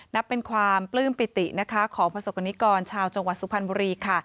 นับเป็นความปลื้มปิตินะคะของประสบกรณิกรชาวจังหวัดสุพรรณบุรีค่ะ